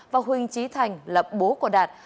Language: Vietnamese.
và huỳnh trí thành lập bố của đạt